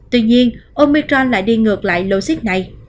tuy nhiên omicron lại đi ngược lại lô xích này